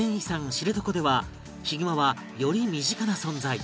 知床ではヒグマはより身近な存在